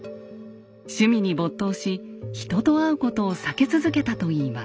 趣味に没頭し人と会うことを避け続けたといいます。